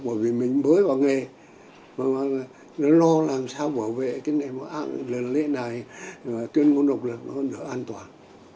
bởi vì mình mới vào nghề nó lo làm sao bảo vệ lễ đài tuyên ngôn độc lập nó được an toàn